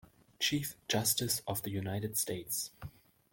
Chief Justice of the United States.